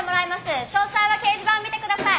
詳細は掲示板を見てください。